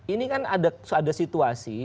ini kan ada situasi